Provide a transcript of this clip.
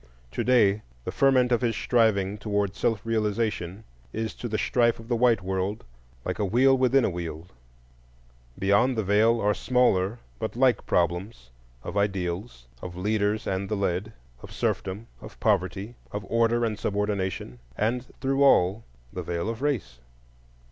To day the ferment of his striving toward self realization is to the strife of the white world like a wheel within a wheel: beyond the Veil are smaller but like problems of ideals, of leaders and the led, of serfdom, of poverty, of order and subordination, and, through all, the Veil of Race.